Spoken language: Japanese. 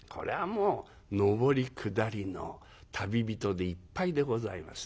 もう上り下りの旅人でいっぱいでございますな。